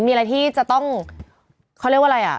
มีอะไรที่จะต้องเขาเรียกว่าอะไรอ่ะ